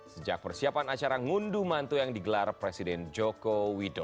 sejak persiapan acara ngunduh mantu yang digelar presiden joko widodo